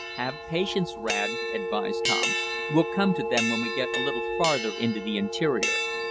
"Have patience, Rad," advised Tom. "We'll come to them when we get a little farther into the interior.